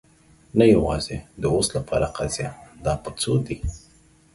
نه، یوازې د اوس لپاره قضیه. دا په څو دی؟